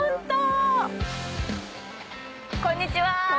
こんにちは。